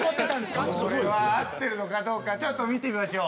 これは合ってるのかどうかちょっと見てみましょう。